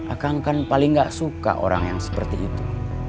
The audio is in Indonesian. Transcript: akang kan paling gak suka orang yang seperti itu